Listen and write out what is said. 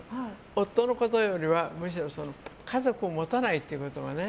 夫のことよりは、むしろ家族を持たないということがね